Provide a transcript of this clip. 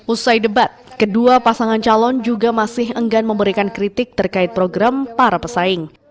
usai debat kedua pasangan calon juga masih enggan memberikan kritik terkait program para pesaing